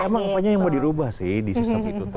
emang apanya yang mau dirubah sih di sistem itu tuh